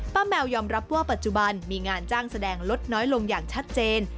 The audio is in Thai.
แมวยอมรับว่าปัจจุบันมีงานจ้างแสดงลดน้อยลงอย่างชัดเจน